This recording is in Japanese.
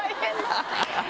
ハハハハ！